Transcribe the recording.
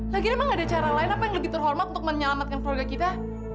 lagi emang ada cara lain apa yang lebih terhormat untuk menyelamatkan keluarga kita